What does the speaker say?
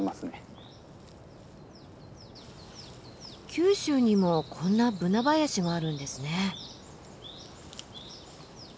九州にもこんなブナ林があるんですね！